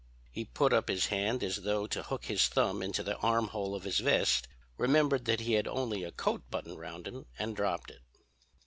"He put up his hand as though to hook his thumb into the armhole of his vest, remembered that he had only a coat buttoned round him and dropped it.